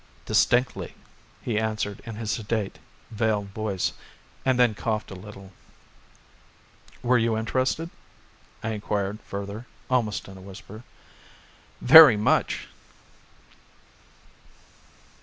"Distinctly," he answered in his sedate, veiled voice and then coughed a little. "Were you interested?" I inquired further almost in a whisper. "Very much!"